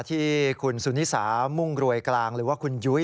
ที่คุณสุนิสามุ่งรวยกลางหรือว่าคุณยุ้ย